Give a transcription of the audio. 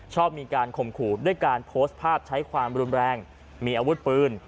ชอบมีการข่มขู่ด้วยการโพสต์ภาพใช้ความรุนแรงมีอาวุธปืน